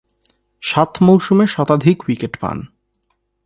সাত মৌসুমে শতাধিক উইকেট পান।